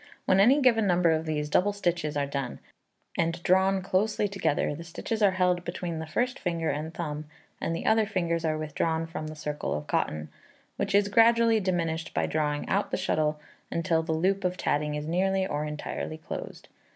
When any given number of these double stitches are done, and drawn closely together, the stitches are held between the first finger and thumb, and the other fingers are withdrawn from the circle of cotton, which is gradually diminished by drawing out the shuttle until the loop of tatting is nearly or entirely closed.